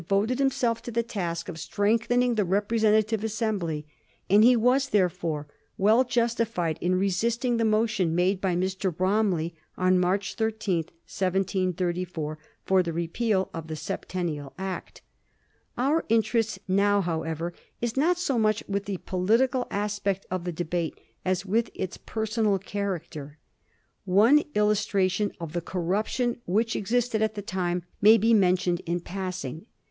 voted himself to the task of strengthening the representa tive assembly, and he was, therefore, well justified in re sisting the motion made by Mr. Bromley on March 13, 1734, for the repeal of the Septennial Act. Our interest now, however, is not so much with the political aspect of the debate as with its personal character. One illustra tion of the corruption which existed at the time may be mentioned in passing.